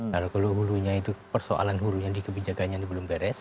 kalau hulunya itu persoalan hulunya dikebijakannya ini belum banyak